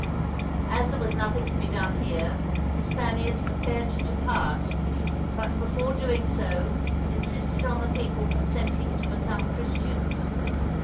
As there was nothing to be done here, the Spaniards prepared to depart; but before doing so insisted on the people consenting to become Christians.